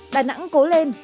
đà nẵng cố lên